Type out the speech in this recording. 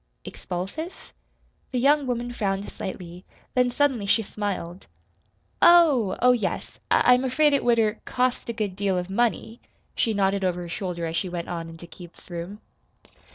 "Expulsive?" The young woman frowned slightly; then suddenly she smiled. "Oh! Oh, yes, I I'm afraid it would er cost a good deal of money," she nodded over her shoulder as she went on into Keith's room.